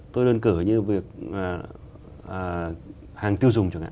tôi đơn cử như việc hàng tiêu dùng chẳng hạn